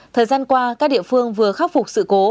thời gian qua các địa phương vừa khắc phục sự cố